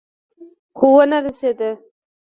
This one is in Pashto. خو ونه رسېد.